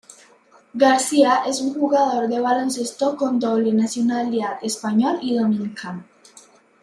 García, es un jugador de baloncesto con doble nacionalidad español y dominicano.